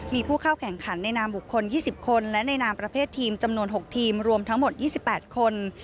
มีผู้เข้าแข่งขันในนามบุคคล๒๐คนและในนามประเภททีมจำนวน๖ทีมรวมทั้งหมด๒๘คน